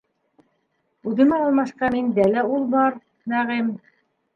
Үҙемә алмашҡа миндә лә ул бар - Нәғим.